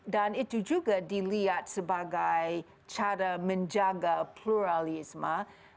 dan itu juga dilihat sebagai cara menjaga pluralisme